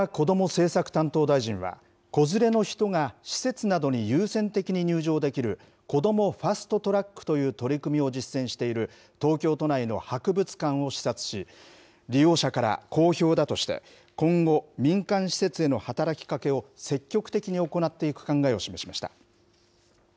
政策担当大臣は、子連れの人が施設などに優先的に入場できるこどもファスト・トラックという取り組みを実践している東京都内の博物館を視察し、利用者から好評だとして、今後、民間施設への働きかけを積極的に行っていく考えを示しました。